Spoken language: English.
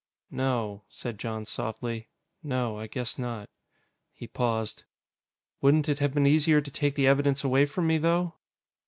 "No," said Jon softly. "No, I guess not." He paused. "Wouldn't it have been easier to take the evidence away from me, though?"